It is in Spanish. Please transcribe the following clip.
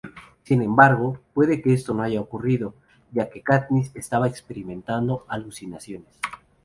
Sin embargo, puede que esto no halla ocurrido ya que Katniss estaba experimentando alucinaciones.